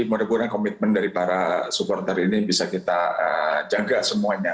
mudah mudahan komitmen dari para supporter ini bisa kita jaga semuanya